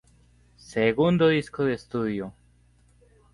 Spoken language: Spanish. Segundo disco de estudio.